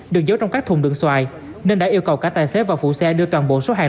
được giấu trong các thùng đường xoài nên đã yêu cầu cả tài xế và phụ xe đưa toàn bộ số hàng